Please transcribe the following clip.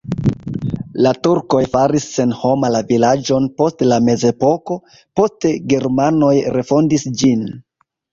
La turkoj faris senhoma la vilaĝon post la mezepoko, poste germanoj refondis ĝin.